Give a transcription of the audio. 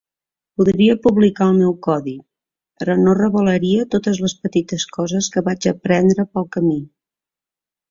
Podria publicar el meu codi, però no revelaria totes les petites coses que vaig aprendre pel camí.